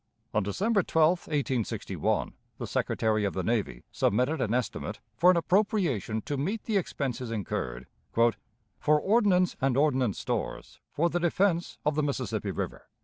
On December 12, 1861, the Secretary of the Navy submitted an estimate for an appropriation to meet the expenses incurred "for ordnance and ordnance stores for the defense of the Mississippi River."